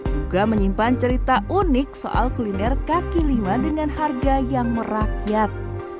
juga menyimpan cerita unik soal kuliner kaki lima dengan harga yang merakyat